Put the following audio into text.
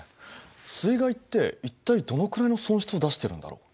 水害って一体どのくらいの損失を出してるんだろう。